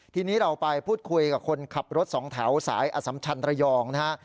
ทีนี้เราไปพูดคุยกับคนขับรถสองแถวสายอสัมชันระยองนะฮะ